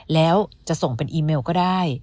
แล้วจะส่งเป็นอีเมลก็ได้